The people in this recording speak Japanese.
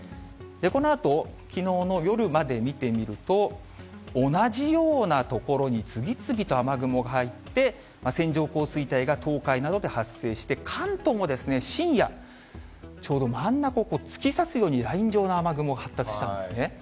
このあときのうの夜まで見てみると、同じような所に次々と雨雲が入って、線状降水帯が東海などで発生して、関東も深夜、ちょうど真ん中を突き刺すように、ライン状の雨雲が発達したんですね。